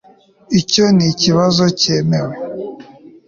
icyo nikibazo cyemewe